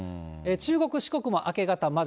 中国、四国も明け方まで。